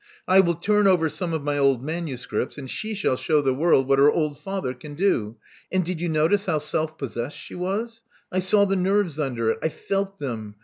I will turn over some of my old manuscripts; and she shall show the world what her old father can do. And did you notice how self possessed she was? I saw the nerves under it. I felt them.